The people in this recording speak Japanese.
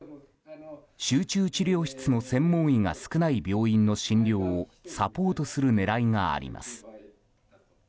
集中治療室の専門医が少ない病院の診療をサポートする狙いがあります。